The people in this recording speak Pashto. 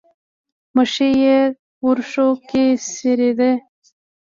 مېښې دې ورشو کښې څرېدې